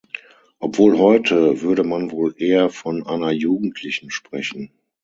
Obwohl heute würde man wohl eher von einer Jugendlichen sprechen.